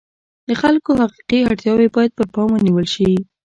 د خلکو حقیقي اړتیاوې باید پر پام ونیول شي.